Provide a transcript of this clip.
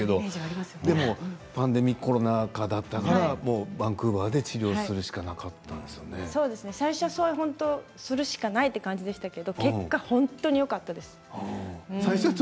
でもパンデミック、コロナ禍でバンクーバーで治療するしかするしかないという感じですけど結果、本当によかったです。